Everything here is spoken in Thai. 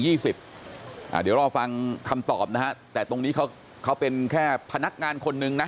เดี๋ยวรอฟังคำตอบนะฮะแต่ตรงนี้เขาเป็นแค่พนักงานคนนึงนะ